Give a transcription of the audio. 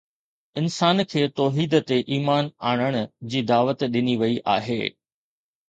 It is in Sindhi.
انسان کي توحيد تي ايمان آڻڻ جي دعوت ڏني وئي آهي